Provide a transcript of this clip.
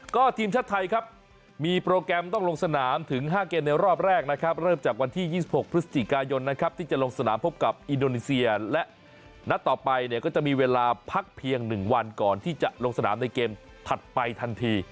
ก็ทีมชาติไทยครับมีโปรแกรมต้องลงสนามถึง๕เกมในรอบแรกนะครับเริ่มจากวันที่๒๖พฤศจิกายนนะครับที่จะลงสนามพบกับอินโดนีเซียและนัดต่อไปเนี่ยก็จะมีเวลาพักเพียง๑วันก่อนที่จะลงสนามในเกมถัดไปทันที